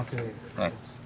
はい。